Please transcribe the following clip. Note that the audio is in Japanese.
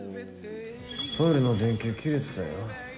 トイレの電球、切れてたよ。